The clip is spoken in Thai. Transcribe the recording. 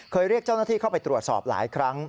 เรียกเจ้าหน้าที่เข้าไปตรวจสอบหลายครั้ง